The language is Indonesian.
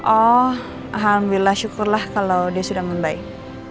oh alhamdulillah syukurlah kalau dia sudah membaik